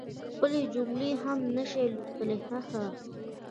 خپلي جملی هم نشي لوستلی هههه